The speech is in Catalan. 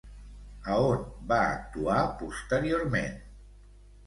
A on va actuar posteriorment?